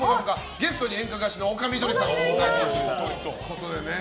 ゲストに演歌歌手の丘みどりさんが出演されるということで。